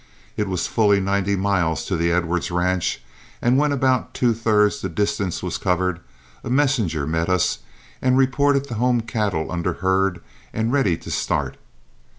It was fully ninety miles to the Edwards ranch; and when about two thirds the distance was covered, a messenger met us and reported the home cattle under herd and ready to start.